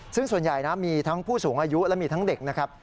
ซึ่งส่วนใหญ่นะมีทั้งผู้สูงอายุและมีทั้งเด็กนะครับ